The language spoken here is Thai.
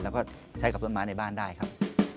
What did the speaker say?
แล้วก็ใช้กับต้นไม้ในบ้านได้ครับ